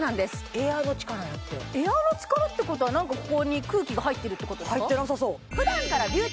エアーの力やってエアーの力ってことは何かここに空気が入ってるってことですか？